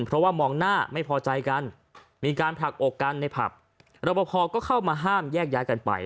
เพราะว่ามองหน้าไม่พอใจกันมีการผลักอกกันในผับรับประพอก็เข้ามาห้ามแยกย้ายกันไป